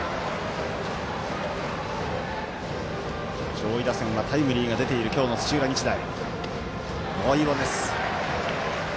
上位打線はタイムリーが出ている今日の土浦日大。